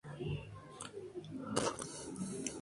Ahora es considerado el "Poeta de Yemen".